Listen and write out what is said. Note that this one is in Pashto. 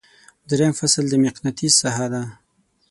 دریم فصل د مقناطیس ساحه ده.